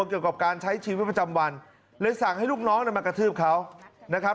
เกี่ยวกับการใช้ชีวิตประจำวันเลยสั่งให้ลูกน้องมากระทืบเขานะครับ